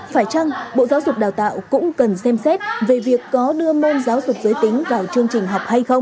phải chăng bộ giáo dục đào tạo cũng cần xem xét về việc có đưa môn giáo dục giới tính vào chương trình học hay không